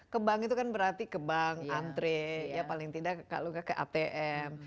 ke bank itu kan berarti ke bank antre ya paling tidak kalau ke atm